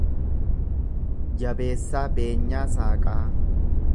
Jabeessaa Beenyaa Saaqaa